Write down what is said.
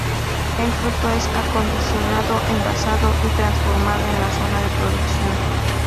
El fruto es acondicionado, envasado y transformado en la zona de producción.